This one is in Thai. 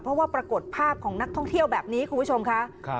เพราะว่าปรากฏภาพของนักท่องเที่ยวแบบนี้คุณผู้ชมค่ะ